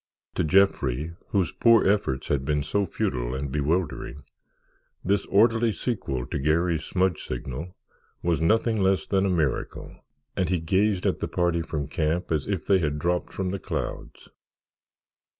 To Jeffrey, whose poor efforts had been so futile and bewildering, this orderly sequel to Garry's smudge signal was nothing less than a miracle, and he gazed at the party from camp as if they had dropped from the clouds.